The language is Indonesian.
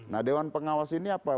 nah dewan pengawas ini apa